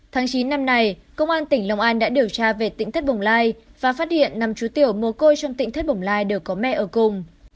tháng chín năm nay công an tỉnh long an đã điều tra về tỉnh thất bồng lai và phát hiện năm chú tiểu mồ côi trong tỉnh thất bồng lai đều có mẹ ở cùng